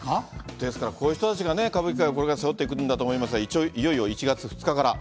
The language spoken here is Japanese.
ですから、こういう人たちがね、歌舞伎界をこれから背負っていくんだと思いますが、一応いよいよ１月２日から。